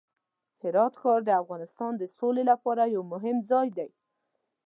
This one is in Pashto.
هرات ښار د افغانستان د سولې لپاره یو مهم ځای دی.